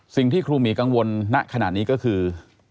สิ่งที่ครูหมีกังวลณขณะนี้ก็คือ